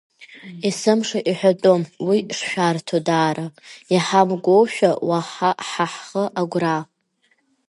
Есымша иҳәатәым уи шшәарҭоу даара, иҳамгоушәа уаҳа ҳа ҳхы агәра…